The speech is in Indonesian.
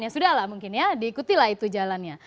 ya sudah lah mungkin ya diikutilah itu jalannya